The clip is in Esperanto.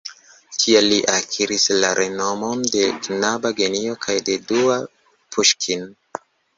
Tiel li akiris la renomon de knaba genio kaj de "dua Puŝkin".